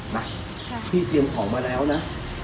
นะพี่เตรียมของมาแล้วนะ